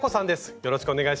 よろしくお願いします。